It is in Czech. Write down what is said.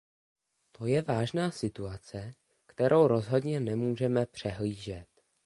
To je vážná situace, kterou rozhodně nemůžeme přehlížet.